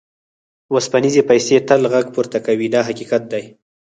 اوسپنیزې پیسې تل غږ پورته کوي دا حقیقت دی.